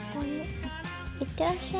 行ってらっしゃい。